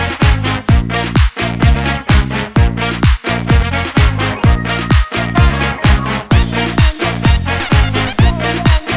รู้เรื่องที่ใส่แล้วรอรอโอเคโอเคโอเค